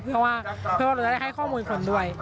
เพื่อว่าเราจะได้ให้ข้อมูลคนด้วย